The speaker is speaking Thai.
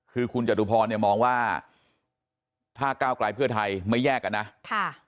คือคุณจตุพรเนี่ยมองว่าถ้าก้าวกลายเพื่อไทยไม่แยกกันนะค่ะ